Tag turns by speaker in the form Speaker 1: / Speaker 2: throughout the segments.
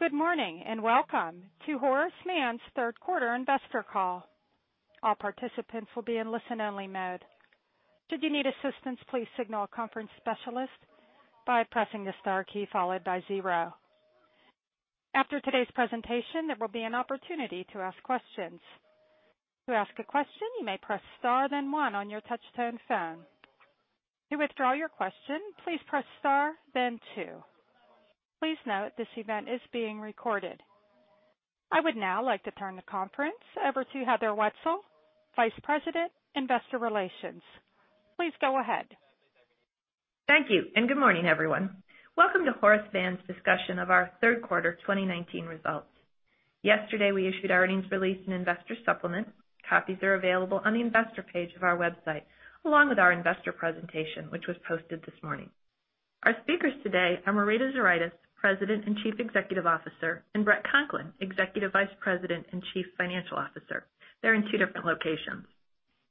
Speaker 1: Good morning, and welcome to Horace Mann's third quarter investor call. All participants will be in listen-only mode. Should you need assistance, please signal a conference specialist by pressing the star key followed by zero. After today's presentation, there will be an opportunity to ask questions. To ask a question, you may press star then one on your touch-tone phone. To withdraw your question, please press star then two. Please note this event is being recorded. I would now like to turn the conference over to Heather Wietzel, Vice President, Investor Relations. Please go ahead.
Speaker 2: Thank you, and good morning, everyone. Welcome to Horace Mann's discussion of our third quarter 2019 results. Yesterday, we issued our earnings release and investor supplement. Copies are available on the investor page of our website, along with our investor presentation, which was posted this morning. Our speakers today are Marita Zuraitis, President and Chief Executive Officer, and Bret Conklin, Executive Vice President and Chief Financial Officer. They're in two different locations.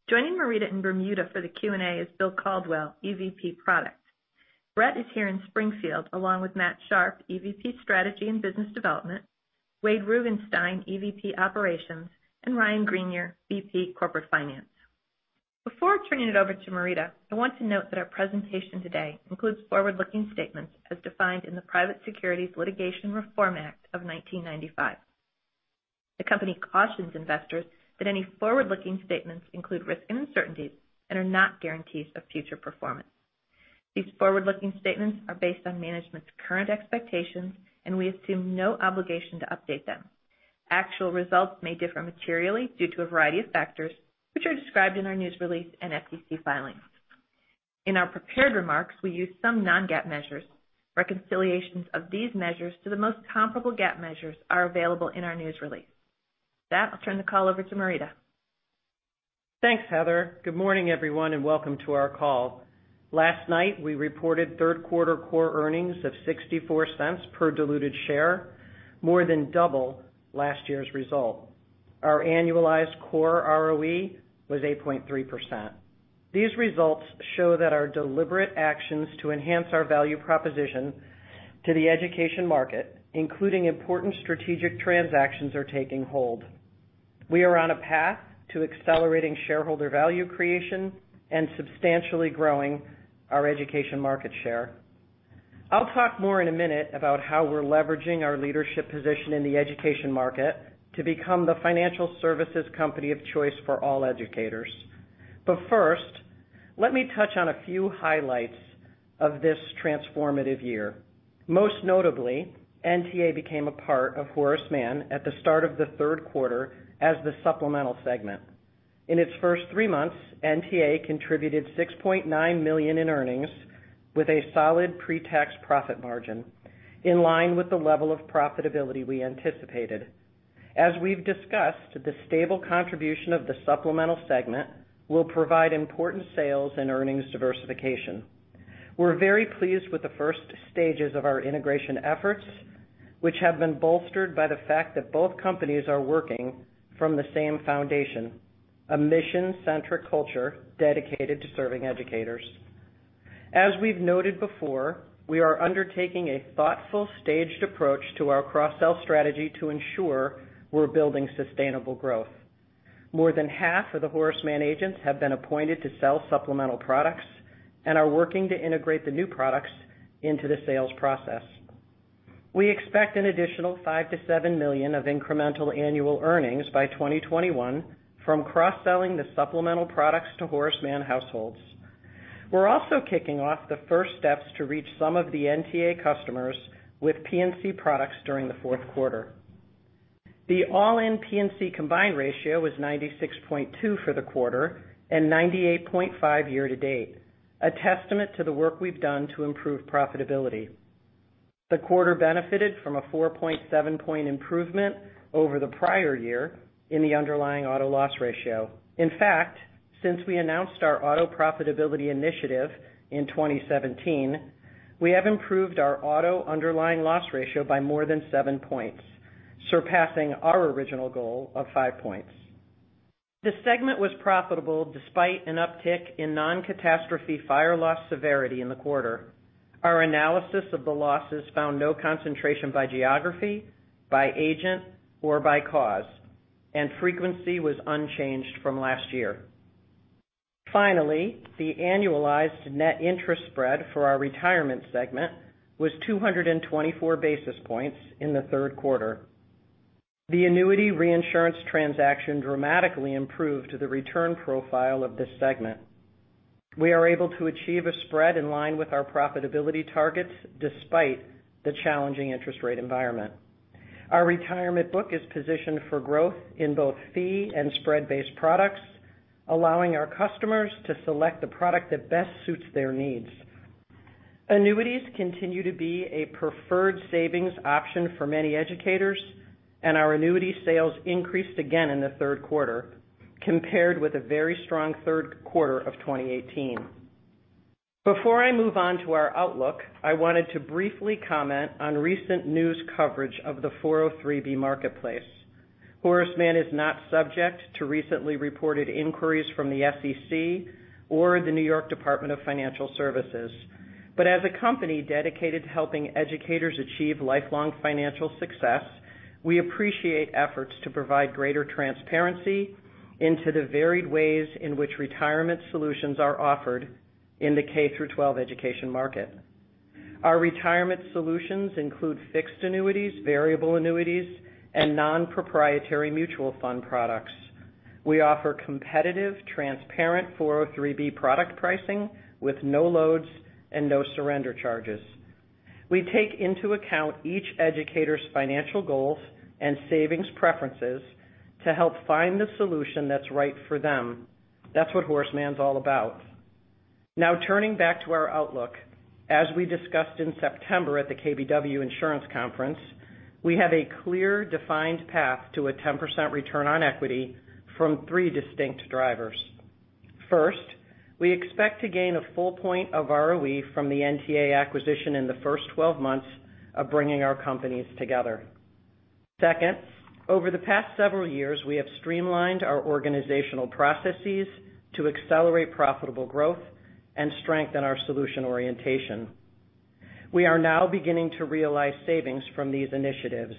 Speaker 2: Joining Marita in Bermuda for the Q&A is Bill Caldwell, EVP, Product. Bret is here in Springfield, along with Matt Sharpe, EVP, Strategy and Business Development, Wade Rugenstein, EVP, Operations, and Ryan Greenier, VP, Corporate Finance. Before turning it over to Marita, I want to note that our presentation today includes forward-looking statements as defined in the Private Securities Litigation Reform Act of 1995. The company cautions investors that any forward-looking statements include risk and uncertainties and are not guarantees of future performance. These forward-looking statements are based on management's current expectations, and we assume no obligation to update them. Actual results may differ materially due to a variety of factors, which are described in our news release and SEC filings. In our prepared remarks, we use some non-GAAP measures. Reconciliations of these measures to the most comparable GAAP measures are available in our news release. With that, I'll turn the call over to Marita.
Speaker 3: Thanks, Heather. Good morning, everyone, and welcome to our call. Last night, we reported third quarter core earnings of $0.64 per diluted share, more than double last year's result. Our annualized core ROE was 8.3%. These results show that our deliberate actions to enhance our value proposition to the education market, including important strategic transactions, are taking hold. We are on a path to accelerating shareholder value creation and substantially growing our education market share. I'll talk more in a minute about how we're leveraging our leadership position in the education market to become the financial services company of choice for all educators. But first, let me touch on a few highlights of this transformative year. Most notably, NTA became a part of Horace Mann at the start of the third quarter as the Supplemental segment. In its first three months, NTA contributed $6.9 million in earnings with a solid pre-tax profit margin in line with the level of profitability we anticipated. As we've discussed, the stable contribution of the supplemental segment will provide important sales and earnings diversification. We're very pleased with the first stages of our integration efforts, which have been bolstered by the fact that both companies are working from the same foundation, a mission-centric culture dedicated to serving educators. As we've noted before, we are undertaking a thoughtful, staged approach to our cross-sell strategy to ensure we're building sustainable growth. More than half of the Horace Mann agents have been appointed to sell supplemental products and are working to integrate the new products into the sales process. We expect an additional $5 million-$7 million of incremental annual earnings by 2021 from cross-selling the supplemental products to Horace Mann households. We're also kicking off the first steps to reach some of the NTA customers with P&C products during the fourth quarter. The all-in P&C combined ratio was 96.2 for the quarter and 98.5 year to date, a testament to the work we've done to improve profitability. The quarter benefited from a 4.7-point improvement over the prior year in the underlying auto loss ratio. In fact, since we announced our auto profitability initiative in 2017, we have improved our auto underlying loss ratio by more than seven points, surpassing our original goal of five points. The segment was profitable despite an uptick in non-catastrophe fire loss severity in the quarter. Our analysis of the losses found no concentration by geography, by agent, or by cause, and frequency was unchanged from last year. Finally, the annualized net interest spread for our retirement segment was 224 basis points in the third quarter. The annuity reinsurance transaction dramatically improved the return profile of this segment. We are able to achieve a spread in line with our profitability targets despite the challenging interest rate environment. Our retirement book is positioned for growth in both fee and spread-based products, allowing our customers to select the product that best suits their needs. Annuities continue to be a preferred savings option for many educators, and our annuity sales increased again in the third quarter compared with a very strong third quarter of 2018. Before I move on to our outlook, I wanted to briefly comment on recent news coverage of the 403 marketplace. Horace Mann is not subject to recently reported inquiries from the SEC or the New York State Department of Financial Services. As a company dedicated to helping educators achieve lifelong financial success, we appreciate efforts to provide greater transparency into the varied ways in which retirement solutions are offered in the K through 12 education market. Our retirement solutions include fixed annuities, variable annuities, and non-proprietary mutual fund products. We offer competitive, transparent 403 product pricing with no loads and no surrender charges. We take into account each educator's financial goals and savings preferences to help find the solution that's right for them. That's what Horace Mann's all about. Turning back to our outlook. As we discussed in September at the KBW Insurance Conference, we have a clear, defined path to a 10% return on equity from three distinct drivers. First, we expect to gain a full point of ROE from the NTA acquisition in the first 12 months of bringing our companies together. Second, over the past several years, we have streamlined our organizational processes to accelerate profitable growth and strengthen our solution orientation. We are now beginning to realize savings from these initiatives.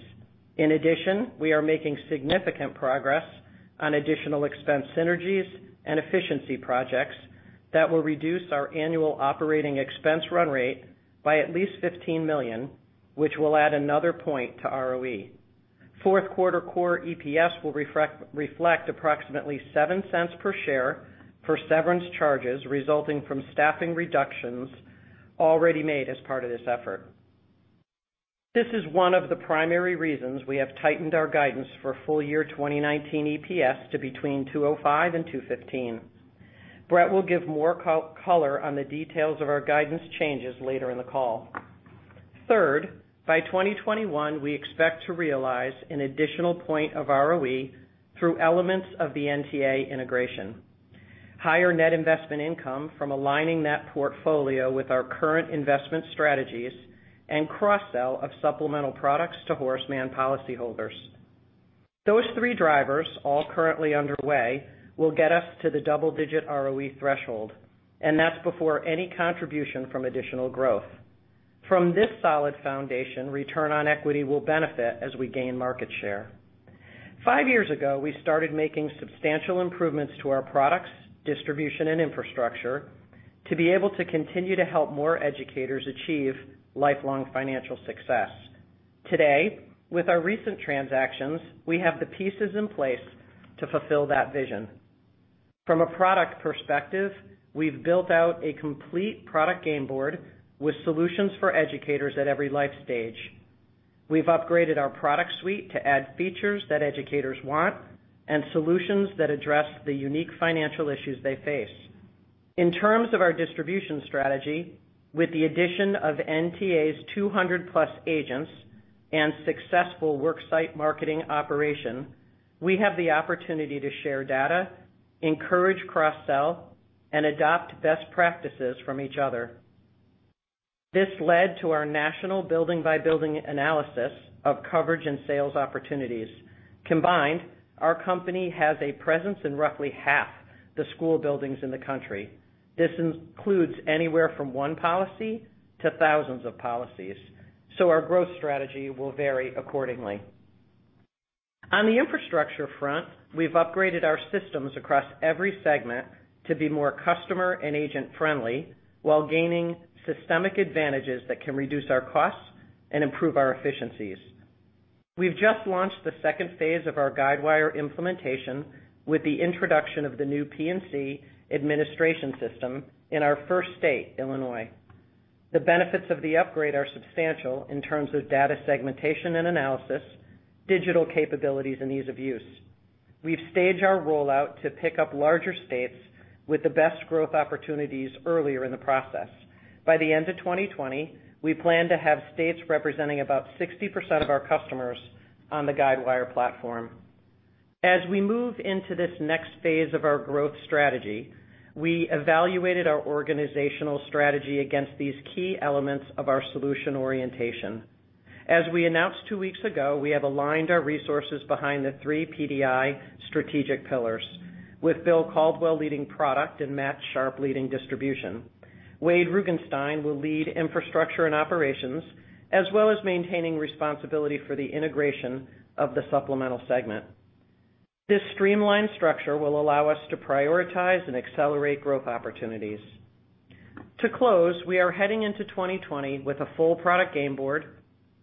Speaker 3: We are making significant progress on additional expense synergies and efficiency projects that will reduce our annual operating expense run rate by at least $15 million, which will add another point to ROE. Fourth quarter core EPS will reflect approximately $0.07 per share for severance charges resulting from staffing reductions already made as part of this effort. This is one of the primary reasons we have tightened our guidance for full year 2019 EPS to between $2.05 and $2.15. Bret Conklin will give more color on the details of our guidance changes later in the call. Third, by 2021, we expect to realize an additional point of ROE through elements of the NTA integration, higher net investment income from aligning that portfolio with our current investment strategies, and cross-sell of supplemental products to Horace Mann Educators Corporation policyholders. Those three drivers, all currently underway, will get us to the double-digit ROE threshold, and that's before any contribution from additional growth. From this solid foundation, return on equity will benefit as we gain market share. Five years ago, we started making substantial improvements to our products, distribution, and infrastructure to be able to continue to help more educators achieve lifelong financial success. Today, with our recent transactions, we have the pieces in place to fulfill that vision. From a product perspective, we've built out a complete product game board with solutions for educators at every life stage. We've upgraded our product suite to add features that educators want and solutions that address the unique financial issues they face. In terms of our distribution strategy, with the addition of NTA's 200-plus agents and successful work site marketing operation, we have the opportunity to share data, encourage cross-sell, and adopt best practices from each other. This led to our national building-by-building analysis of coverage and sales opportunities. Combined, our company has a presence in roughly half the school buildings in the country. This includes anywhere from one policy to thousands of policies, so our growth strategy will vary accordingly. On the infrastructure front, we've upgraded our systems across every segment to be more customer and agent friendly while gaining systemic advantages that can reduce our costs and improve our efficiencies. We've just launched the second phase of our Guidewire implementation with the introduction of the new P&C administration system in our first state, Illinois. The benefits of the upgrade are substantial in terms of data segmentation and analysis, digital capabilities, and ease of use. We've staged our rollout to pick up larger states with the best growth opportunities earlier in the process. By the end of 2020, we plan to have states representing about 60% of our customers on the Guidewire platform. As we move into this next phase of our growth strategy, we evaluated our organizational strategy against these key elements of our solution orientation. As we announced two weeks ago, we have aligned our resources behind the three PDI strategic pillars, with Bill Caldwell leading product and Matt Sharpe leading distribution. Wade Rugenstein will lead infrastructure and operations, as well as maintaining responsibility for the integration of the supplemental segment. This streamlined structure will allow us to prioritize and accelerate growth opportunities. To close, we are heading into 2020 with a full product game board,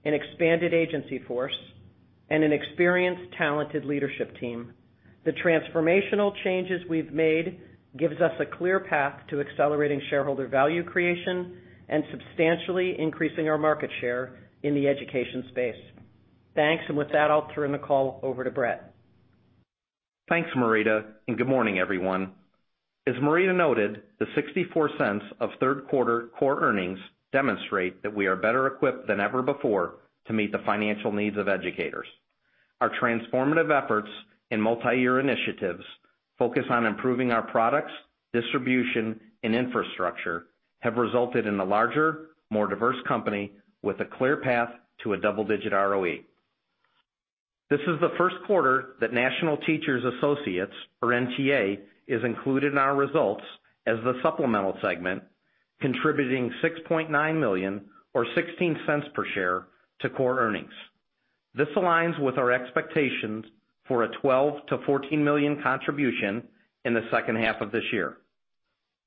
Speaker 3: an expanded agency force, and an experienced, talented leadership team. The transformational changes we've made gives us a clear path to accelerating shareholder value creation and substantially increasing our market share in the education space. Thanks. With that, I'll turn the call over to Bret.
Speaker 4: Thanks, Marita, and good morning, everyone. As Marita noted, the $0.64 of third quarter core earnings demonstrate that we are better equipped than ever before to meet the financial needs of educators. Our transformative efforts and multi-year initiatives focused on improving our products, distribution, and infrastructure have resulted in a larger, more diverse company with a clear path to a double-digit ROE. This is the first quarter that National Teachers Associates, or NTA, is included in our results as the supplemental segment, contributing $6.9 million, or $0.16 per share to core earnings. This aligns with our expectations for a $12 million-$14 million contribution in the second half of this year.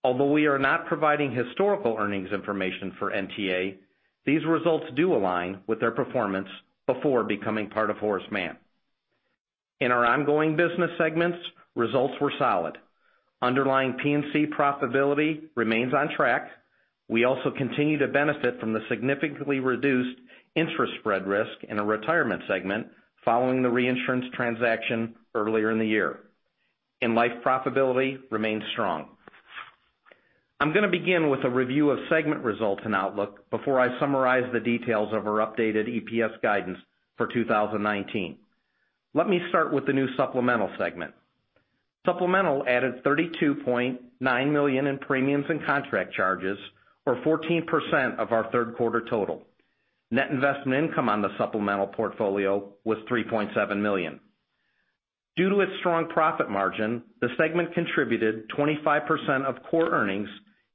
Speaker 4: Although we are not providing historical earnings information for NTA, these results do align with their performance before becoming part of Horace Mann. In our ongoing business segments, results were solid. Underlying P&C profitability remains on track. We also continue to benefit from the significantly reduced interest spread risk in the retirement segment following the reinsurance transaction earlier in the year. Life profitability remains strong. I'm going to begin with a review of segment results and outlook before I summarize the details of our updated EPS guidance for 2019. Let me start with the new supplemental segment. Supplemental added $32.9 million in premiums and contract charges, or 14% of our third quarter total. Net investment income on the supplemental portfolio was $3.7 million. Due to its strong profit margin, the segment contributed 25% of core earnings,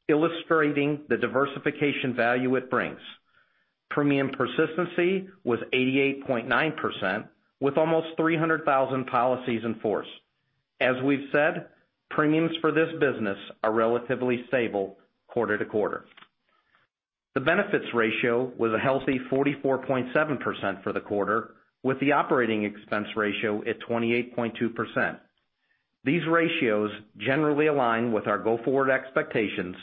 Speaker 4: illustrating the diversification value it brings. Premium persistency was 88.9% with almost 300,000 policies in force. As we've said, premiums for this business are relatively stable quarter to quarter. The benefits ratio was a healthy 44.7% for the quarter, with the operating expense ratio at 28.2%. These ratios generally align with our go-forward expectations,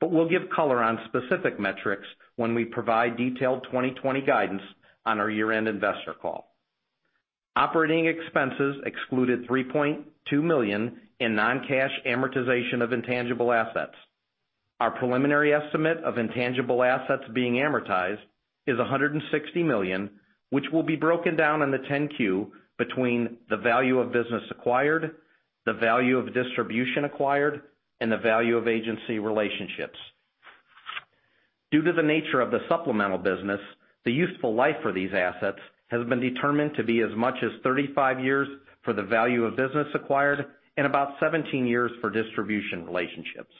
Speaker 4: we'll give color on specific metrics when we provide detailed 2020 guidance on our year-end investor call. Operating expenses excluded $3.2 million in non-cash amortization of intangible assets. Our preliminary estimate of intangible assets being amortized is $160 million, which will be broken down in the 10-Q between the value of business acquired, the value of distribution acquired, and the value of agency relationships. Due to the nature of the supplemental business, the useful life for these assets has been determined to be as much as 35 years for the value of business acquired and about 17 years for distribution relationships.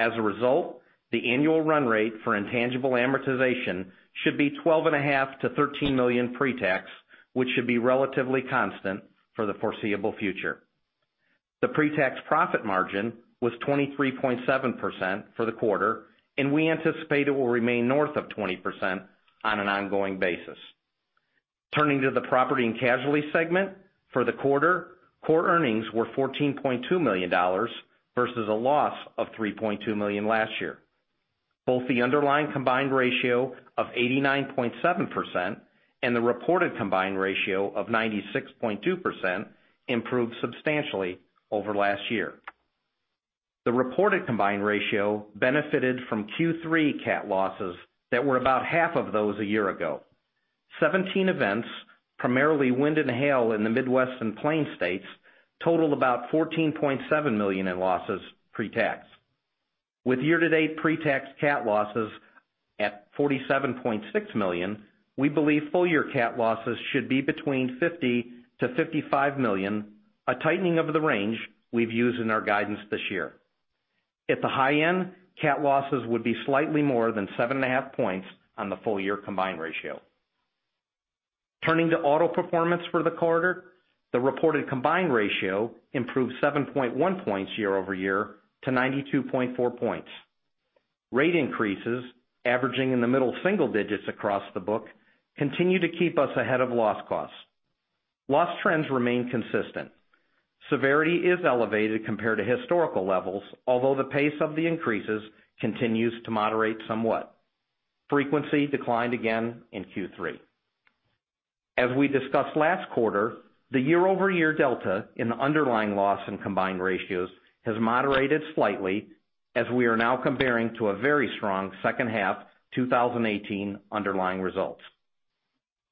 Speaker 4: As a result, the annual run rate for intangible amortization should be $12.5 million-$13 million pre-tax, which should be relatively constant for the foreseeable future. The pre-tax profit margin was 23.7% for the quarter. We anticipate it will remain north of 20% on an ongoing basis. Turning to the property and casualty segment, for the quarter, core earnings were $14.2 million versus a loss of $3.2 million last year. Both the underlying combined ratio of 89.7% and the reported combined ratio of 96.2% improved substantially over last year. The reported combined ratio benefited from Q3 cat losses that were about half of those a year ago. 17 events, primarily wind and hail in the Midwest and Plains states, totaled about $14.7 million in losses pre-tax. With year-to-date pre-tax cat losses at $47.6 million, we believe full-year cat losses should be between $50 million-$55 million, a tightening of the range we've used in our guidance this year. At the high end, cat losses would be slightly more than seven and a half points on the full-year combined ratio. Turning to auto performance for the quarter, the reported combined ratio improved 7.1 points year-over-year to 92.4 points. Rate increases averaging in the middle single digits across the book continue to keep us ahead of loss costs. Loss trends remain consistent. Severity is elevated compared to historical levels, although the pace of the increases continues to moderate somewhat. Frequency declined again in Q3. As we discussed last quarter, the year-over-year delta in underlying loss and combined ratios has moderated slightly as we are now comparing to a very strong second half 2018 underlying results.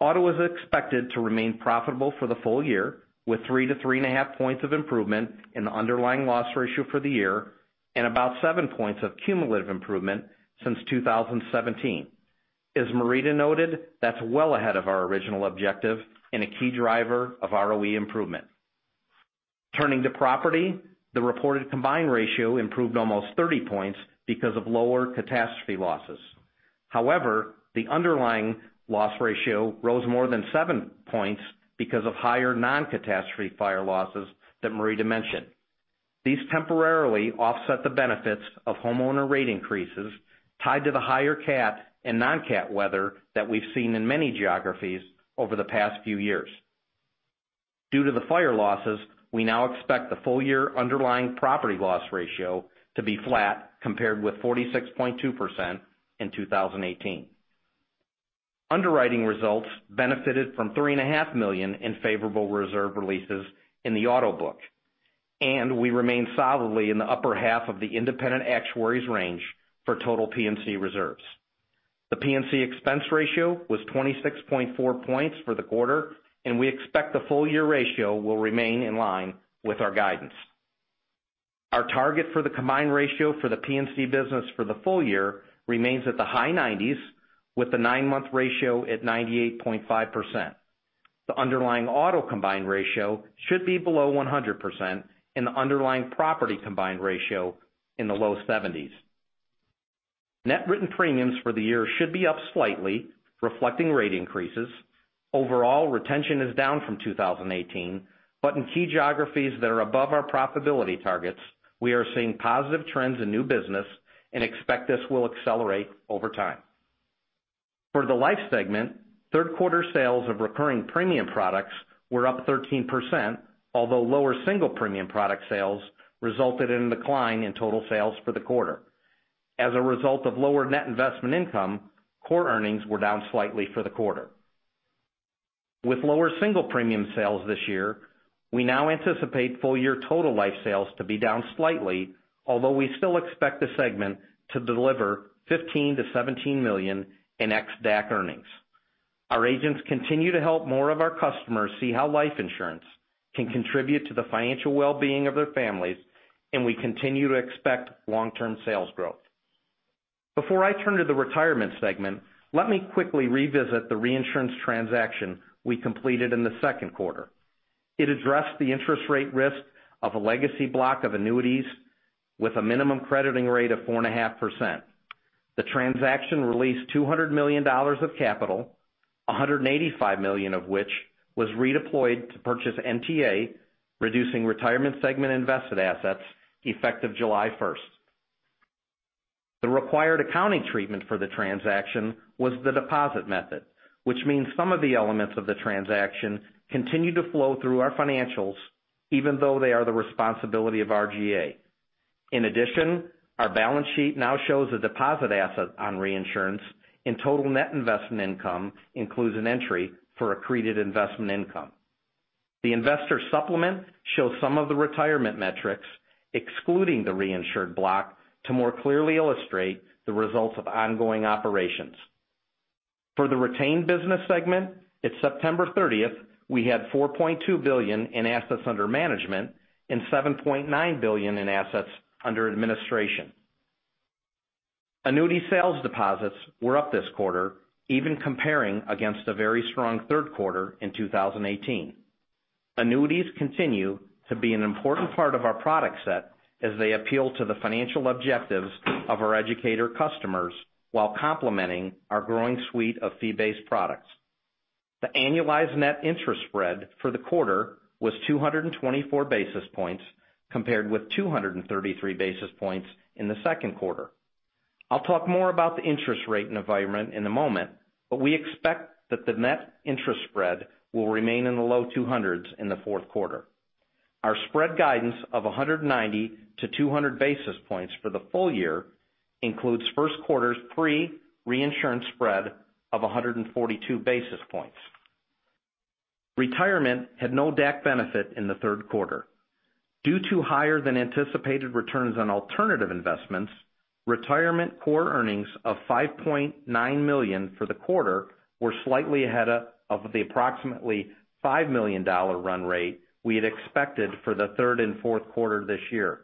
Speaker 4: Auto is expected to remain profitable for the full year, with three to three and a half points of improvement in the underlying loss ratio for the year and about seven points of cumulative improvement since 2017. As Marita noted, that's well ahead of our original objective and a key driver of ROE improvement. Turning to property, the reported combined ratio improved almost 30 points because of lower catastrophe losses. However, the underlying loss ratio rose more than seven points because of higher non-catastrophe fire losses that Marita mentioned. These temporarily offset the benefits of homeowner rate increases tied to the higher cat and non-cat weather that we've seen in many geographies over the past few years. Due to the fire losses, we now expect the full-year underlying property loss ratio to be flat compared with 46.2% in 2018. Underwriting results benefited from $three and a half million in favorable reserve releases in the auto book. We remain solidly in the upper half of the independent actuaries range for total P&C reserves. The P&C expense ratio was 26.4 points for the quarter. We expect the full year ratio will remain in line with our guidance. Our target for the combined ratio for the P&C business for the full year remains at the high 90s, with the nine-month ratio at 98.5%. The underlying auto combined ratio should be below 100%, and the underlying property combined ratio in the low 70s. Net written premiums for the year should be up slightly, reflecting rate increases. Overall, retention is down from 2018, but in key geographies that are above our profitability targets, we are seeing positive trends in new business. We expect this will accelerate over time. For the Life segment, third quarter sales of recurring premium products were up 13%, although lower single premium product sales resulted in a decline in total sales for the quarter. As a result of lower net investment income, core earnings were down slightly for the quarter. With lower single premium sales this year, we now anticipate full year total Life sales to be down slightly, although we still expect the segment to deliver $15 million-$17 million in ex-DAC earnings. Our agents continue to help more of our customers see how life insurance can contribute to the financial well-being of their families, and we continue to expect long-term sales growth. Before I turn to the Retirement segment, let me quickly revisit the reinsurance transaction we completed in the second quarter. It addressed the interest rate risk of a legacy block of annuities with a minimum crediting rate of 4.5%. The transaction released $200 million of capital, $185 million of which was redeployed to purchase NTA, reducing Retirement segment invested assets effective July 1st. The required accounting treatment for the transaction was the deposit method, which means some of the elements of the transaction continue to flow through our financials, even though they are the responsibility of RGA. In addition, our balance sheet now shows a deposit asset on reinsurance, and total net investment income includes an entry for accreted investment income. The investor supplement shows some of the Retirement metrics, excluding the reinsured block, to more clearly illustrate the results of ongoing operations. For the retained business segment, at September 30th, we had $4.2 billion in assets under management and $7.9 billion in assets under administration. Annuity sales deposits were up this quarter, even comparing against a very strong third quarter in 2018. Annuities continue to be an important part of our product set as they appeal to the financial objectives of our educator customers while complementing our growing suite of fee-based products. The annualized net interest spread for the quarter was 224 basis points, compared with 233 basis points in the second quarter. I'll talk more about the interest rate environment in a moment, but we expect that the net interest spread will remain in the low 200s in the fourth quarter. Our spread guidance of 190-200 basis points for the full year includes first quarter's pre-reinsurance spread of 142 basis points. Retirement had no DAC benefit in the third quarter. Due to higher than anticipated returns on alternative investments, Retirement core earnings of $5.9 million for the quarter were slightly ahead of the approximately $5 million run rate we had expected for the third and fourth quarter this year.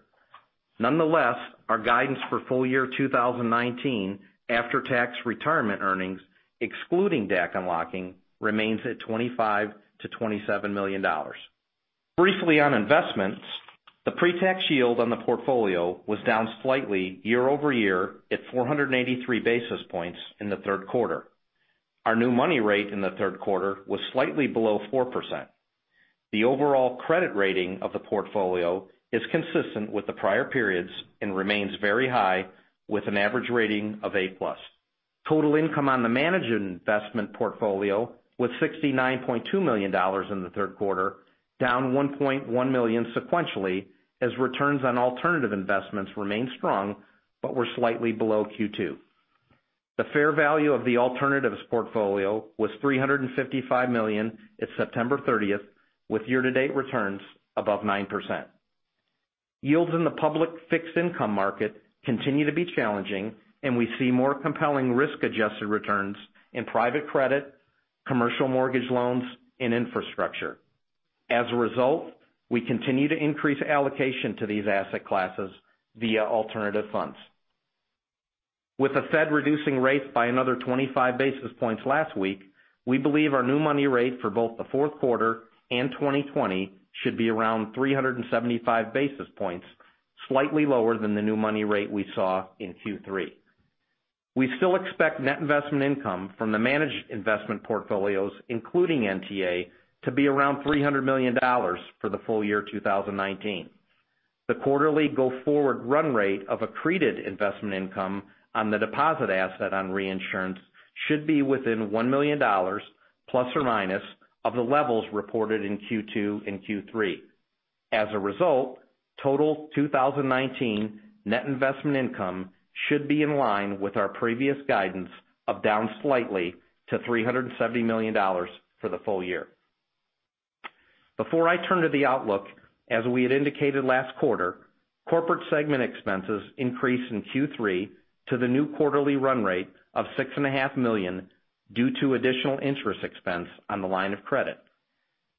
Speaker 4: Nonetheless, our guidance for full year 2019 after-tax Retirement earnings, excluding DAC unlocking, remains at $25 million-$27 million. Briefly on investments, the pre-tax yield on the portfolio was down slightly year-over-year at 483 basis points in the third quarter. Our new money rate in the third quarter was slightly below 4%. The overall credit rating of the portfolio is consistent with the prior periods and remains very high, with an average rating of A-plus. Total income on the managed investment portfolio was $69.2 million in the third quarter, down $1.1 million sequentially, as returns on alternative investments remained strong, but were slightly below Q2. The fair value of the alternatives portfolio was $355 million at September 30th, with year-to-date returns above 9%. Yields in the public fixed income market continue to be challenging, and we see more compelling risk-adjusted returns in private credit, commercial mortgage loans, and infrastructure. As a result, we continue to increase allocation to these asset classes via alternative funds. With the Fed reducing rates by another 25 basis points last week, we believe our new money rate for both the fourth quarter and 2020 should be around 375 basis points, slightly lower than the new money rate we saw in Q3. We still expect net investment income from the managed investment portfolios, including NTA, to be around $300 million for the full year 2019. The quarterly go-forward run rate of accreted investment income on the deposit asset on reinsurance should be within $1 million, plus or minus, of the levels reported in Q2 and Q3. As a result, total 2019 net investment income should be in line with our previous guidance of down slightly to $370 million for the full year. Before I turn to the outlook, as we had indicated last quarter, corporate segment expenses increased in Q3 to the new quarterly run rate of $6.5 million due to additional interest expense on the line of credit.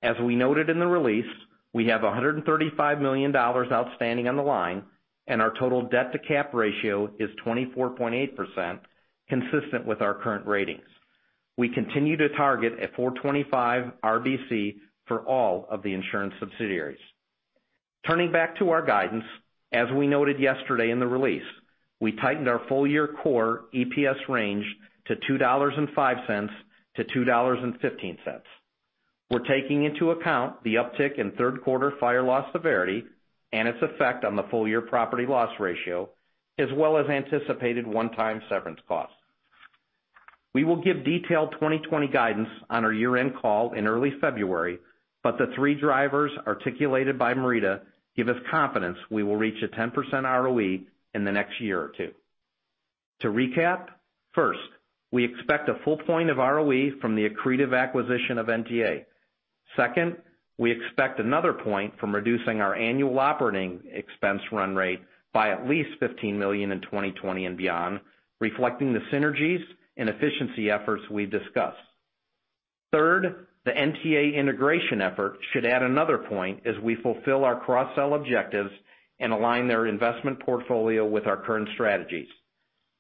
Speaker 4: As we noted in the release, we have $135 million outstanding on the line, and our total debt-to-cap ratio is 24.8%, consistent with our current ratings. We continue to target a 4.25 RBC for all of the insurance subsidiaries. Turning back to our guidance, as we noted yesterday in the release, we tightened our full year core EPS range to $2.05-$2.15. We're taking into account the uptick in third quarter fire loss severity and its effect on the full year property loss ratio, as well as anticipated one-time severance costs. We will give detailed 2020 guidance on our year-end call in early February. The three drivers articulated by Marita give us confidence we will reach a 10% ROE in the next year or two. To recap, first, we expect a full point of ROE from the accretive acquisition of NTA. Second, we expect another point from reducing our annual operating expense run rate by at least $15 million in 2020 and beyond, reflecting the synergies and efficiency efforts we discussed. Third, the NTA integration effort should add another point as we fulfill our cross-sell objectives and align their investment portfolio with our current strategies.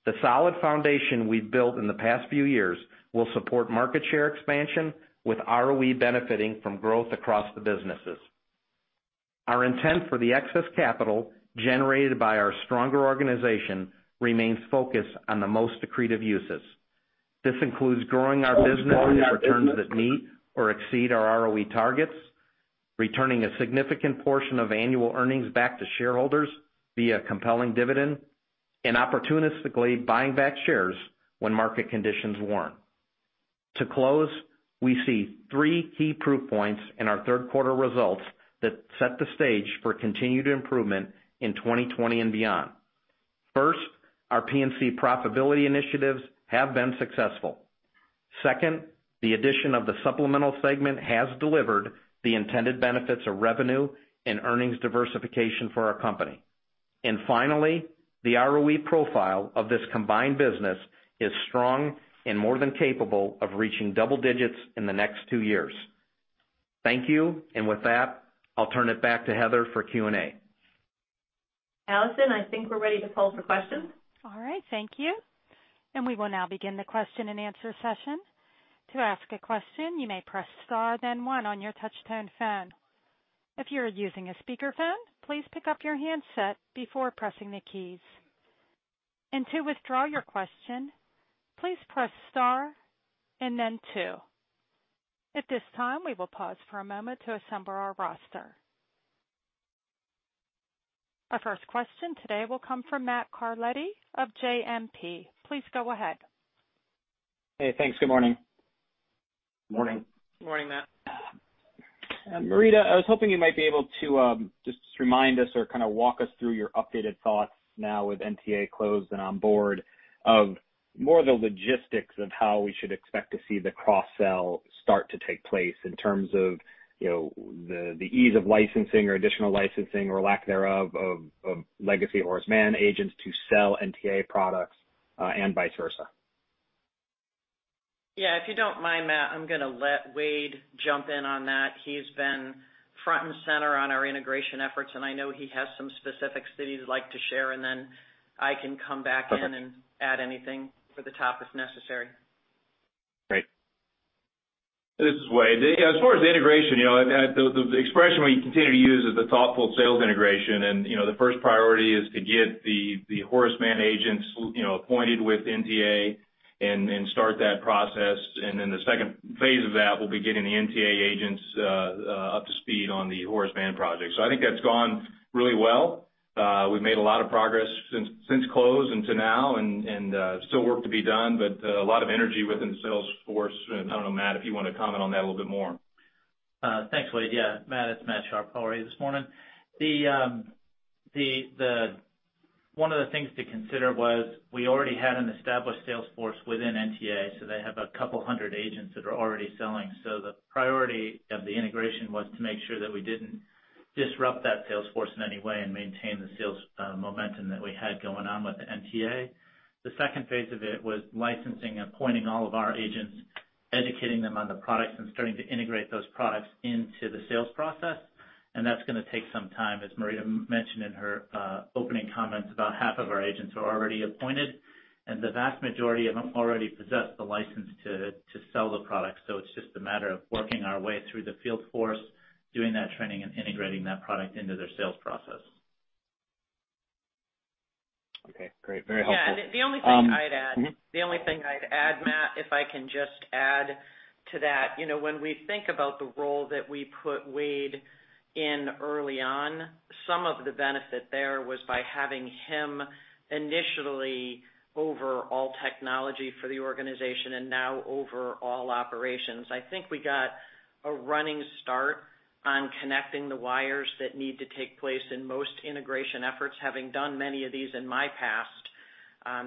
Speaker 4: The solid foundation we've built in the past few years will support market share expansion, with ROE benefiting from growth across the businesses. Our intent for the excess capital generated by our stronger organization remains focused on the most accretive uses. This includes growing our business in returns that meet or exceed our ROE targets, returning a significant portion of annual earnings back to shareholders via compelling dividend, and opportunistically buying back shares when market conditions warrant. To close, we see three key proof points in our third quarter results that set the stage for continued improvement in 2020 and beyond. First, our P&C profitability initiatives have been successful. Second, the addition of the supplemental segment has delivered the intended benefits of revenue and earnings diversification for our company. Finally, the ROE profile of this combined business is strong and more than capable of reaching double digits in the next two years. Thank you. With that, I'll turn it back to Heather for Q&A.
Speaker 2: Allison, I think we're ready to pose for questions.
Speaker 1: All right. Thank you. We will now begin the question and answer session. To ask a question, you may press star then one on your touch-tone phone. If you're using a speakerphone, please pick up your handset before pressing the keys. To withdraw your question, please press star then two. At this time, we will pause for a moment to assemble our roster. Our first question today will come from Matt Carletti of JMP. Please go ahead.
Speaker 5: Hey, thanks. Good morning.
Speaker 4: Morning.
Speaker 3: Morning, Matt.
Speaker 5: Marita, I was hoping you might be able to just remind us or kind of walk us through your updated thoughts now with NTA closed and on board of more the logistics of how we should expect to see the cross-sell start to take place in terms of the ease of licensing or additional licensing or lack thereof of Legacy Horace Mann agents to sell NTA products, vice versa.
Speaker 3: Yeah, if you don't mind, Matt, I'm going to let Wade jump in on that. He's been front and center on our integration efforts, I know he has some specifics that he'd like to share, then I can come back in-
Speaker 5: Okay
Speaker 3: add anything for the top if necessary.
Speaker 5: Great.
Speaker 6: This is Wade. Yeah, as far as the integration, the expression we continue to use is the thoughtful sales integration. The first priority is to get the Horace Mann agents appointed with NTA and start that process. Then the second phase of that will be getting the NTA agents up to speed on the Horace Mann products. I think that's gone really well. We've made a lot of progress since close until now, and still work to be done, but a lot of energy within Salesforce. I don't know, Matt, if you want to comment on that a little bit more.
Speaker 7: Thanks, Wade. Yeah, Matt, it's Matthew Sharpe. How are you this morning? One of the things to consider was we already had an established sales force within NTA, they have 200 agents that are already selling. The priority of the integration was to make sure that we didn't disrupt that sales force in any way and maintain the sales momentum that we had going on with the NTA. The second phase of it was licensing and appointing all of our agents, educating them on the products, and starting to integrate those products into the sales process, and that's going to take some time. As Marita mentioned in her opening comments, about half of our agents are already appointed, and the vast majority of them already possess the license to sell the product. It's just a matter of working our way through the field force, doing that training, and integrating that product into their sales process.
Speaker 5: Okay, great. Very helpful.
Speaker 3: Yeah. The only thing I'd add, Matt, if I can just add to that. When we think about the role that we put Wade in early on, some of the benefit there was by having him initially over all technology for the organization and now over all operations. I think we got a running start on connecting the wires that need to take place in most integration efforts. Having done many of these in my past.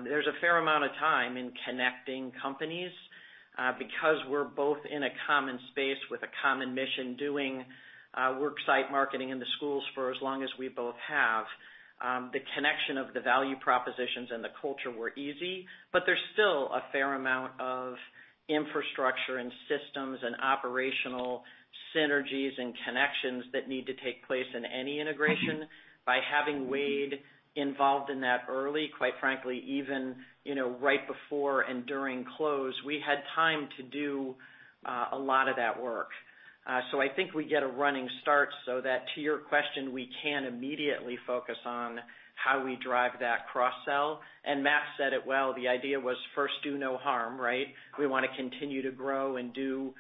Speaker 3: There's a fair amount of time in connecting companies, because we're both in a common space with a common mission doing worksite marketing in the schools for as long as we both have. The connection of the value propositions and the culture were easy, but there's still a fair amount of infrastructure and systems and operational synergies and connections that need to take place in any integration. By having Wade involved in that early, quite frankly, even right before and during close, we had time to do a lot of that work. I think we get a running start, so that to your question, we can immediately focus on how we drive that cross-sell. Matt said it well, the idea was first, do no harm, right? We want to continue to grow and do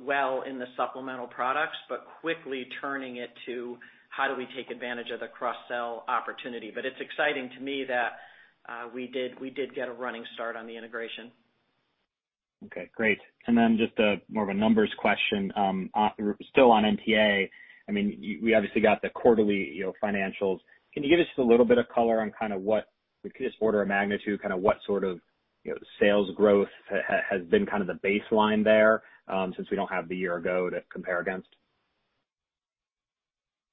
Speaker 3: well in the supplemental products, but quickly turning it to how do we take advantage of the cross-sell opportunity. It's exciting to me that we did get a running start on the integration.
Speaker 5: Okay, great. Then just more of a numbers question. Still on NTA, we obviously got the quarterly financials. Can you give us just a little bit of color on what, just order of magnitude, what sort of sales growth has been the baseline there, since we don't have the year ago to compare against?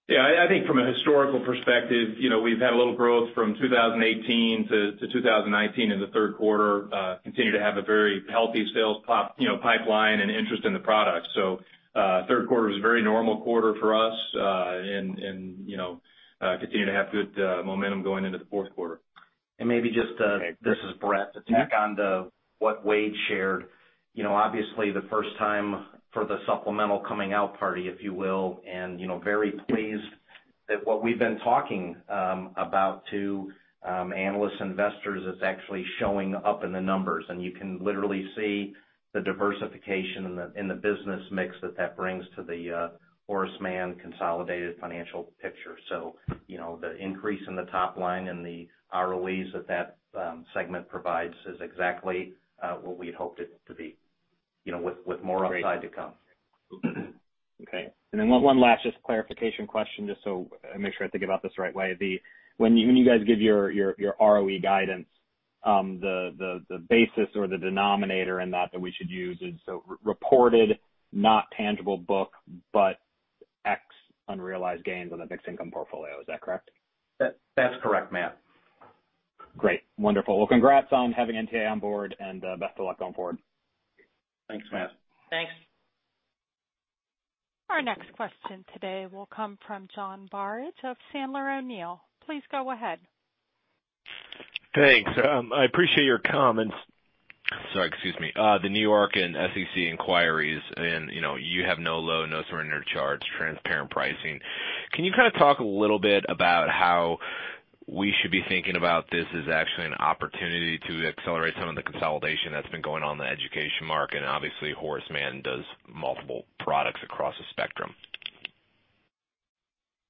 Speaker 6: Yeah. I think from a historical perspective, we've had a little growth from 2018 to 2019 in the third quarter, continue to have a very healthy sales pipeline and interest in the product. Third quarter was a very normal quarter for us, and continue to have good momentum going into the fourth quarter.
Speaker 5: Okay.
Speaker 4: This is Bret. To tack on to what Wade shared. Obviously, the first time for the supplemental coming out party, if you will, and very pleased that what we've been talking about to analysts, investors is actually showing up in the numbers, and you can literally see the diversification in the business mix that that brings to the Horace Mann consolidated financial picture. The increase in the top line and the ROEs that that segment provides is exactly what we had hoped it to be, with more upside to come.
Speaker 5: Great. Okay. Then one last just clarification question, just so I make sure I think about this the right way. When you guys give your ROE guidance, the basis or the denominator in that we should use is so reported not tangible book, but ex-unrealized gains on the fixed income portfolio. Is that correct?
Speaker 4: That's correct, Matt.
Speaker 5: Great. Wonderful. Congrats on having NTA on board, and best of luck going forward.
Speaker 4: Thanks, Matt.
Speaker 3: Thanks.
Speaker 1: Our next question today will come from John Barnidge of Sandler O'Neill. Please go ahead.
Speaker 8: Thanks. I appreciate your comments. Sorry, excuse me. The New York and SEC inquiries and you have no load, no surrender charge, transparent pricing. Can you talk a little bit about how we should be thinking about this as actually an opportunity to accelerate some of the consolidation that's been going on in the education market? Obviously, Horace Mann does multiple products across the spectrum.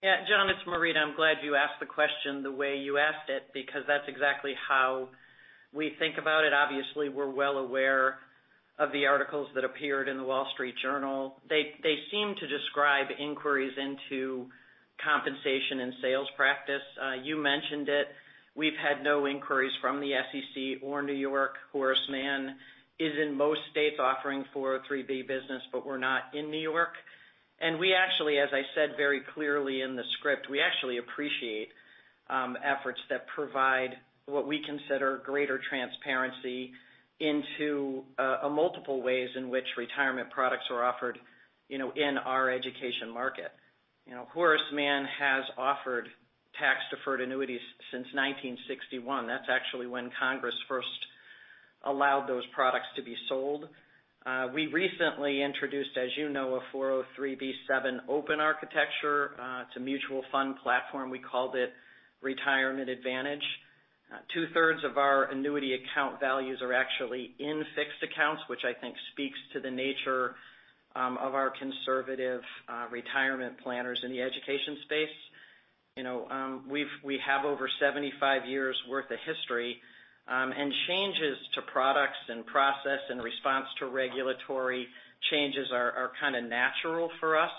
Speaker 3: Yeah. John, it's Marita. I'm glad you asked the question the way you asked it, because that's exactly how we think about it. Obviously, we're well aware of the articles that appeared in "The Wall Street Journal." They seem to describe inquiries into compensation and sales practice. You mentioned it. We've had no inquiries from the SEC or New York. Horace Mann is in most states offering 403 business, but we're not in New York. We actually, as I said very clearly in the script, we actually appreciate efforts that provide what we consider greater transparency into multiple ways in which retirement products are offered in our education market. Horace Mann has offered tax-deferred annuities since 1961. That's actually when Congress first allowed those products to be sold. We recently introduced, as you know, a 403(b)(7) open architecture. It's a mutual fund platform. We called it Retirement Advantage. Two-thirds of our annuity account values are actually in fixed accounts, which I think speaks to the nature of our conservative retirement planners in the education space. We have over 75 years worth of history. Changes to products and process in response to regulatory changes are kind of natural for us.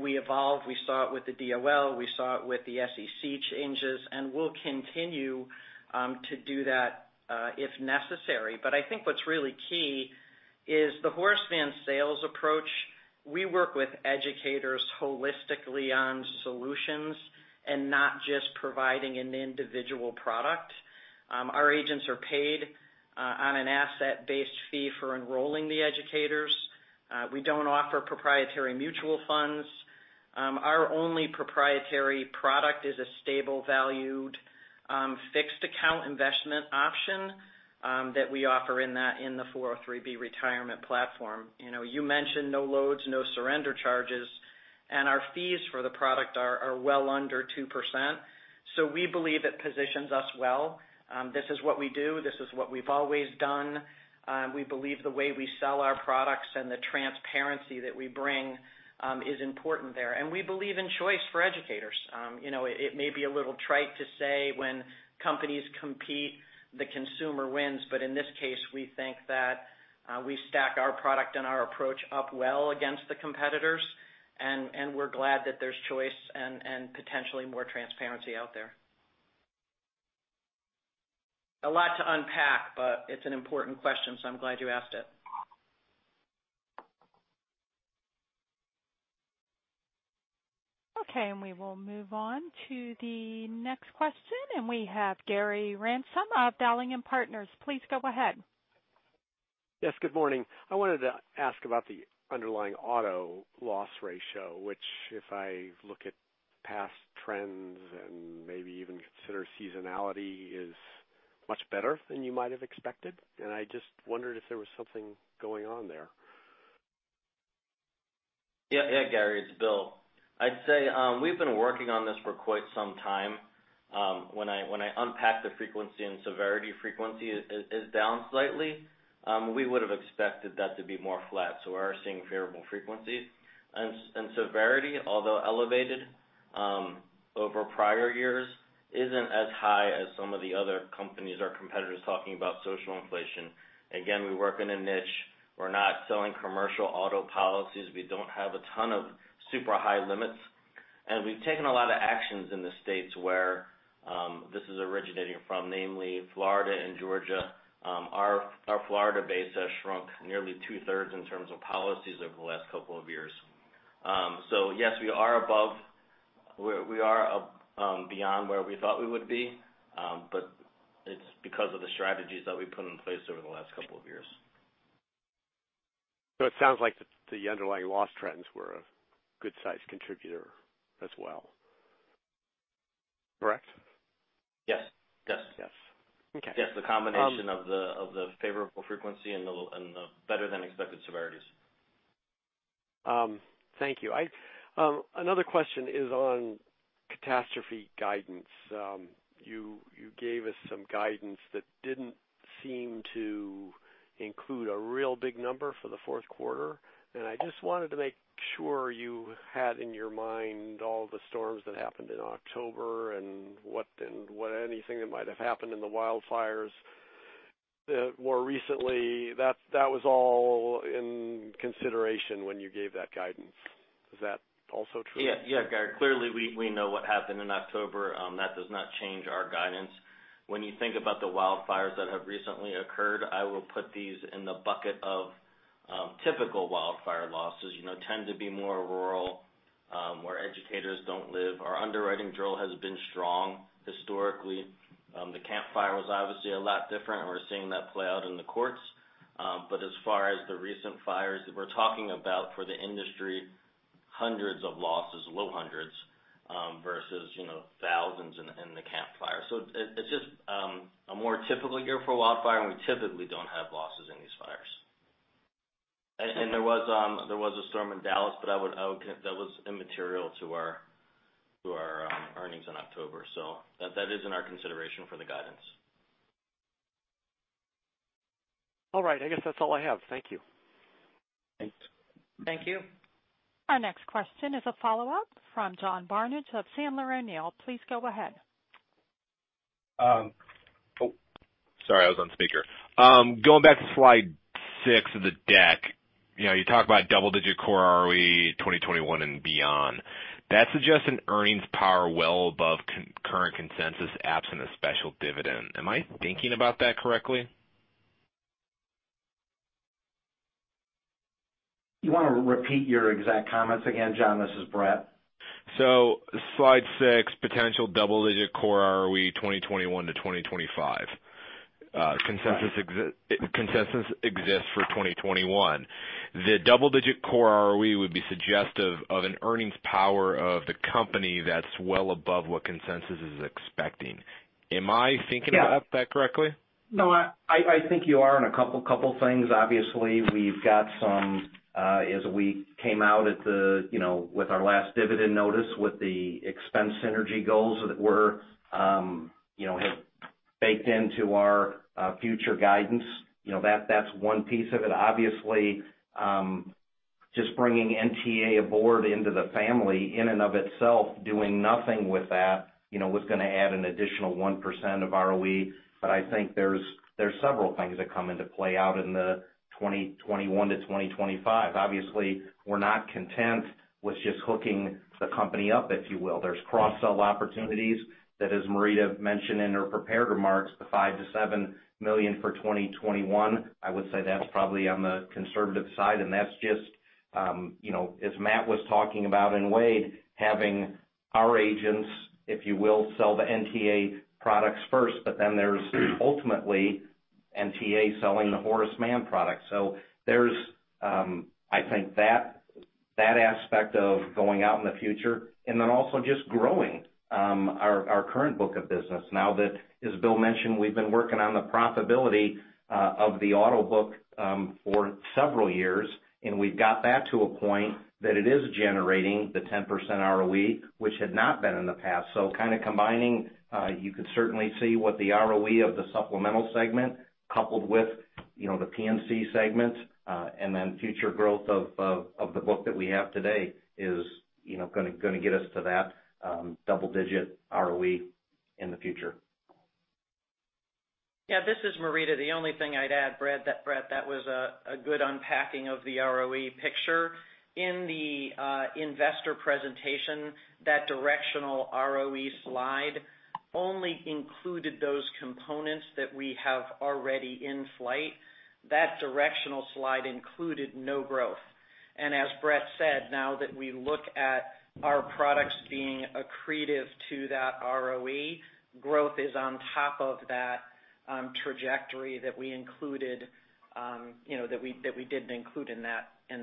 Speaker 3: We evolve. We saw it with the DOL, we saw it with the SEC changes. We'll continue to do that, if necessary. I think what's really key is the Horace Mann sales approach. We work with educators holistically on solutions and not just providing an individual product. Our agents are paid on an asset-based fee for enrolling the educators. We don't offer proprietary mutual funds. Our only proprietary product is a stable valued, fixed account investment option, that we offer in the 403 retirement platform. You mentioned no loads, no surrender charges. Our fees for the product are well under 2%. We believe it positions us well. This is what we do. This is what we've always done. We believe the way we sell our products and the transparency that we bring is important there. We believe in choice for educators. It may be a little trite to say when companies compete, the consumer wins, but in this case, we think that We stack our product and our approach up well against the competitors. We're glad that there's choice and potentially more transparency out there. A lot to unpack. It's an important question, so I'm glad you asked it.
Speaker 1: Okay, we will move on to the next question. We have Gary Ransom of Dowling & Partners. Please go ahead.
Speaker 9: Yes, good morning. I wanted to ask about the underlying auto loss ratio, which, if I look at past trends and maybe even consider seasonality, is much better than you might have expected. I just wondered if there was something going on there.
Speaker 10: Yeah, Gary, it's Bill. I'd say we've been working on this for quite some time. When I unpack the frequency and severity, frequency is down slightly. We would've expected that to be more flat, we are seeing favorable frequency. Severity, although elevated over prior years, isn't as high as some of the other companies or competitors talking about social inflation. Again, we work in a niche. We're not selling commercial auto policies. We don't have a ton of super high limits. We've taken a lot of actions in the states where this is originating from, namely Florida and Georgia. Our Florida base has shrunk nearly two-thirds in terms of policies over the last couple of years. Yes, we are beyond where we thought we would be, but it's because of the strategies that we've put in place over the last couple of years.
Speaker 9: It sounds like the underlying loss trends were a good-sized contributor as well. Correct?
Speaker 10: Yes.
Speaker 9: Yes. Okay.
Speaker 10: Yes, the combination of the favorable frequency and the better-than-expected severities.
Speaker 9: Thank you. Another question is on catastrophe guidance. You gave us some guidance that didn't seem to include a real big number for the fourth quarter. I just wanted to make sure you had in your mind all the storms that happened in October and anything that might have happened in the wildfires more recently, that was all in consideration when you gave that guidance. Is that also true?
Speaker 10: Gary. Clearly, we know what happened in October. That does not change our guidance. When you think about the wildfires that have recently occurred, I will put these in the bucket of typical wildfire losses, tend to be more rural, where educators don't live. Our underwriting drill has been strong historically. The Camp Fire was obviously a lot different, and we're seeing that play out in the courts. As far as the recent fires that we're talking about for the industry, hundreds of losses, low hundreds, versus thousands in the Camp Fire. It's just a more typical year for wildfire, and we typically don't have losses in these fires. There was a storm in Dallas, but that was immaterial to our earnings in October. That is in our consideration for the guidance.
Speaker 9: All right. I guess that's all I have. Thank you.
Speaker 10: Thanks.
Speaker 4: Thank you.
Speaker 1: Our next question is a follow-up from John Barnidge of Sandler O'Neill. Please go ahead.
Speaker 8: Sorry, I was on speaker. Going back to slide six of the deck. You talk about double-digit core ROE 2021 and beyond. That suggests an earnings power well above current consensus, absent a special dividend. Am I thinking about that correctly?
Speaker 4: You want to repeat your exact comments again, John? This is Bret.
Speaker 8: Slide six, potential double-digit core ROE 2021 to 2025. Consensus exists for 2021. The double-digit core ROE would be suggestive of an earnings power of the company that's well above what consensus is expecting. Am I thinking about that correctly?
Speaker 4: No, I think you are on a couple things. Obviously, we've got some, as we came out with our last dividend notice, with the expense synergy goals that were baked into our future guidance. That's one piece of it. Obviously, just bringing NTA aboard into the family, in and of itself, doing nothing with that, was going to add an additional 1% of ROE. I think there's several things that come into play out in the 2021 to 2025. Obviously, we're not content with just hooking the company up, if you will. There's cross-sell opportunities that, as Marita mentioned in her prepared remarks, the $5 million-$7 million for 2021. I would say that's probably on the conservative side, that's just, as Matthew was talking about, and Wade, having our agents, if you will, sell the NTA products first, but then there's ultimately NTA selling the Horace Mann product. There's, I think, that aspect of going out in the future. Also just growing our current book of business now that, as William mentioned, we've been working on the profitability of the auto book for several years, and we've got that to a point that it is generating the 10% ROE, which had not been in the past. Kind of combining, you could certainly see what the ROE of the supplemental segment, coupled with the P&C segment, and then future growth of the book that we have today is going to get us to that double-digit ROE in the future.
Speaker 3: Yeah, this is Marita. The only thing I'd add, Bret, that was a good unpacking of the ROE picture. In the investor presentation, that directional ROE slide only included those components that we have already in flight. That directional slide included no growth. As Bret said, now that we look at our products being accretive to that ROE, growth is on top of that trajectory that we didn't include in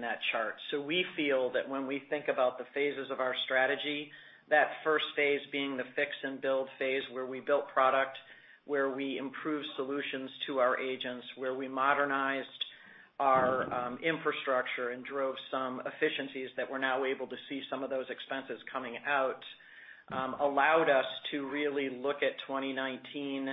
Speaker 3: that chart. We feel that when we think about the phases of our strategy, that first phase being the fix and build phase, where we built product, where we improved solutions to our agents, where we modernized our infrastructure and drove some efficiencies that we're now able to see some of those expenses coming out, allowed us to really look at 2019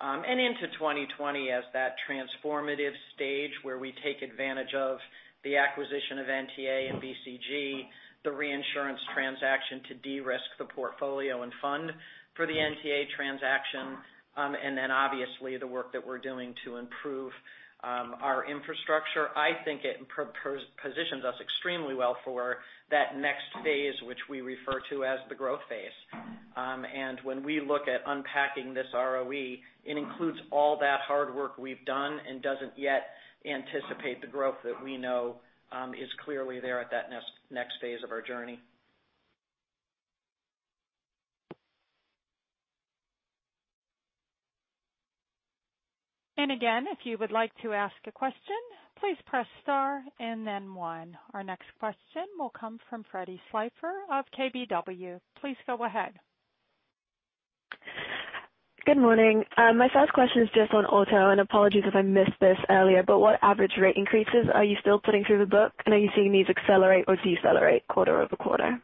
Speaker 3: and into 2020 as that transformative stage where we take advantage of the acquisition of NTA and BCG, the reinsurance transaction to de-risk the portfolio and fund for the NTA transaction, and obviously the work that we're doing to improve our infrastructure. I think it positions us extremely well for that next phase, which we refer to as the growth phase. When we look at unpacking this ROE, it includes all that hard work we've done and doesn't yet anticipate the growth that we know is clearly there at that next phase of our journey.
Speaker 1: Again, if you would like to ask a question, please press star and then one. Our next question will come from Freddie Swiper of KBW. Please go ahead.
Speaker 11: Good morning. My first question is just on auto, apologies if I missed this earlier, but what average rate increases are you still putting through the book? Are you seeing these accelerate or decelerate quarter-over-quarter?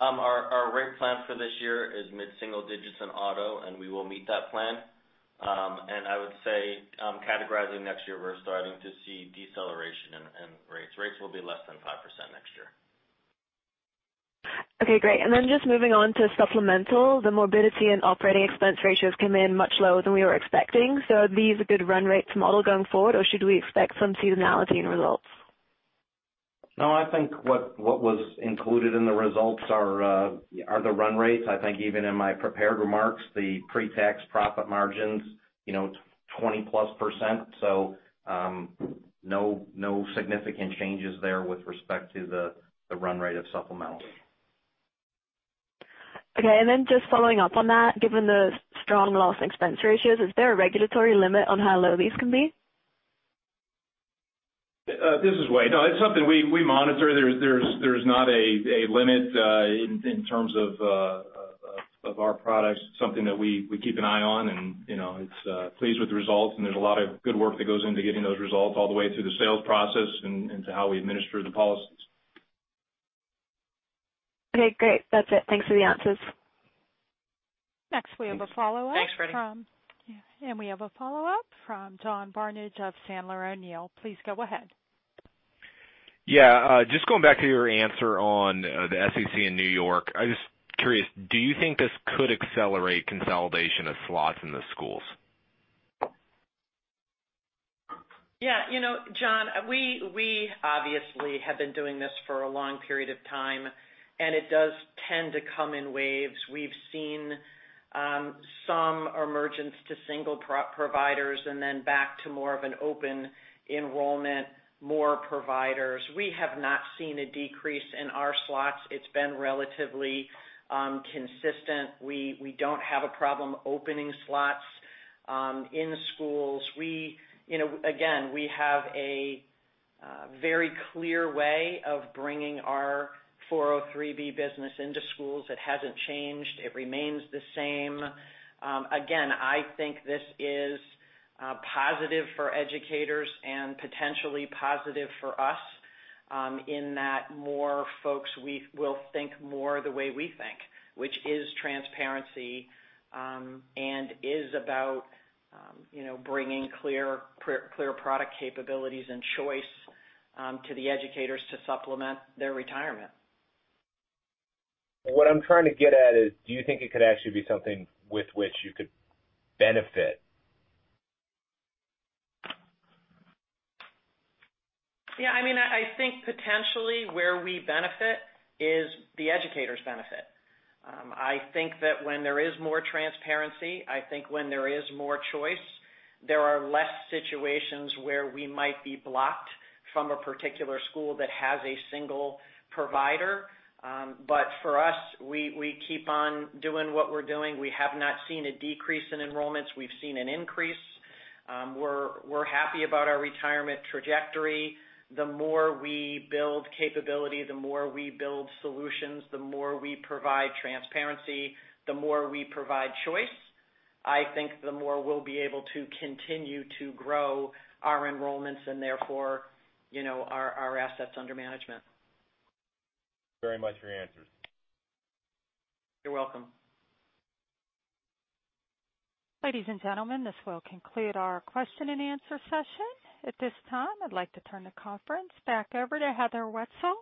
Speaker 10: Our rate plan for this year is mid-single digits in auto, we will meet that plan. I would say, categorizing next year, we're starting to see deceleration in rates. Rates will be less than 5% next year.
Speaker 11: Okay, great. Then just moving on to supplemental, the morbidity and operating expense ratios came in much lower than we were expecting. Are these a good run rates model going forward, or should we expect some seasonality in results?
Speaker 4: No, I think what was included in the results are the run rates. I think even in my prepared remarks, the pre-tax profit margins, 20-plus%. No significant changes there with respect to the run rate of supplemental.
Speaker 11: Okay, then just following up on that, given the strong loss expense ratios, is there a regulatory limit on how low these can be?
Speaker 6: This is Wade. No, it's something we monitor. There's not a limit in terms of our products. It's something that we keep an eye on, and it's pleased with the results, and there's a lot of good work that goes into getting those results all the way through the sales process and to how we administer the policies.
Speaker 11: Okay, great. That's it. Thanks for the answers.
Speaker 1: We have a follow-up from-
Speaker 3: Thanks, Freddie.
Speaker 1: We have a follow-up from John Barnidge of Sandler O'Neill. Please go ahead.
Speaker 8: Yeah, just going back to your answer on the SEC in New York. I'm just curious, do you think this could accelerate consolidation of slots in the schools?
Speaker 3: Yeah, John, we obviously have been doing this for a long period of time, and it does tend to come in waves. We've seen some emergence to single providers and then back to more of an open enrollment, more providers. We have not seen a decrease in our slots. It's been relatively consistent. We don't have a problem opening slots in schools. Again, we have a very clear way of bringing our 403 business into schools. It hasn't changed. It remains the same. Again, I think this is positive for educators and potentially positive for us, in that more folks will think more the way we think, which is transparency, and is about bringing clear product capabilities and choice to the educators to supplement their retirement.
Speaker 8: What I'm trying to get at is, do you think it could actually be something with which you could benefit?
Speaker 3: I think potentially where we benefit is the Educators benefit. When there is more transparency, when there is more choice, there are less situations where we might be blocked from a particular school that has a single provider. For us, we keep on doing what we're doing. We have not seen a decrease in enrollments. We've seen an increase. We're happy about our retirement trajectory. The more we build capability, the more we build solutions, the more we provide transparency, the more we provide choice, I think the more we'll be able to continue to grow our enrollments and therefore our assets under management.
Speaker 8: Thank you very much for your answers.
Speaker 3: You're welcome.
Speaker 1: Ladies and gentlemen, this will conclude our question and answer session. At this time, I'd like to turn the conference back over to Heather Wietzel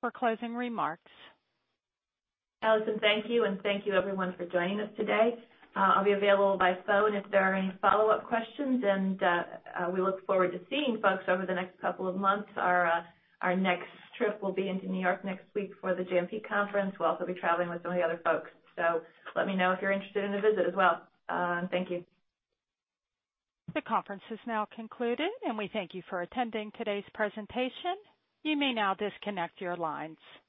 Speaker 1: for closing remarks.
Speaker 2: Allison, thank you, and thank you everyone for joining us today. I'll be available by phone if there are any follow-up questions, and we look forward to seeing folks over the next couple of months. Our next trip will be into New York next week for the JMP conference. We'll also be traveling with some of the other folks. Let me know if you're interested in a visit as well. Thank you.
Speaker 1: The conference is now concluded, and we thank you for attending today's presentation. You may now disconnect your lines.